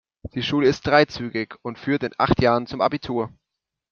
Die Schule ist dreizügig und führt in acht Jahren zum Abitur.